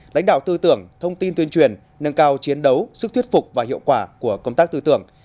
lãnh đạo tư tưởng thông tin tuyên truyền nâng cao chiến đấu sức thuyết phục và hiệu quả của công tác tư tưởng